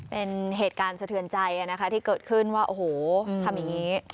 เป็นเหตุการณ์สะเทือนใจนะคะที่เกิดขึ้นว่าโอ้โหทำอย่างนี้